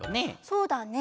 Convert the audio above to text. そうだね。